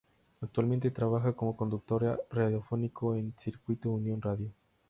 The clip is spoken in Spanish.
Actualmente trabaja como conductor radiofónico en Circuito Unión Radio.